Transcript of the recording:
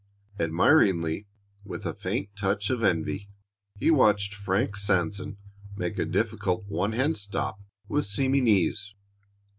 Admiringly, with a faint touch of envy, he watched Frank Sanson make a difficult one hand stop with seeming ease.